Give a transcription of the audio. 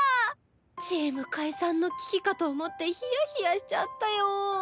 チーム解散の危機かと思ってひやひやしちゃったよ。